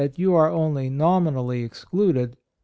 69 you are only nominally excluded.